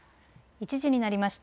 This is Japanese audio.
１時になりました。